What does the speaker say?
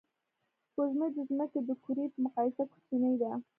سپوږمۍ د ځمکې د کُرې په مقایسه کوچنۍ ده